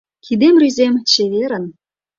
Кидем рӱзем — чеверын.